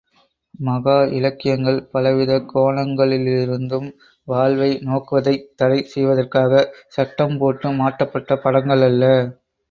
மகா இலக்கியங்கள், பலவித கோணங்களிலிருந்தும் வாழ்வை நோக்குவதைத் தடை செய்வதற்காகச் சட்டம் போட்டு மாட்டப்பட்ட படங்கள் அல்ல.